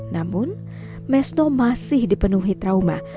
namun mesno masih dipenuhi trauma